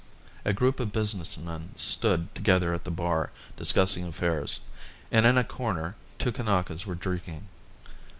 A group of business men stood together at the bar, discussing affairs, and in a corner two Kanakas were drinking.